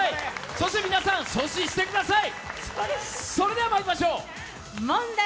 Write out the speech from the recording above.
そして皆さん阻止してください。